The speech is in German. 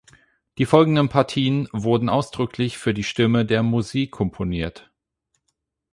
Die folgenden Partien wurden ausdrücklich für die Stimme der Musi komponiert.